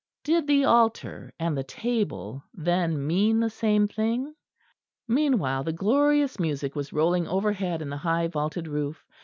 Did the altar and the table then mean the same thing? Meanwhile the glorious music was rolling overhead in the high vaulted roof.